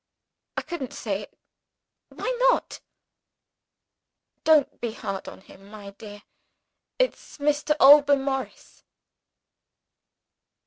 "I couldn't say it." "Why not?" "Don't be hard on him, my dear. It's Mr. Alban Morris."